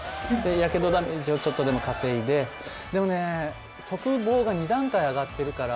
やけどダメージをちょっとでも稼いででもねとくぼうが２段階上がってるから。